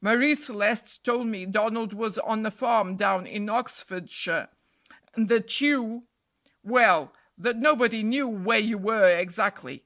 Marie Celeste told me Donald was on a farm down in Oxfordshire, and that you well, that nobody knew where you were exactly."